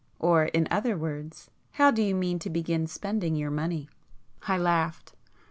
Or in other words how do you mean to begin spending your money?" I laughed.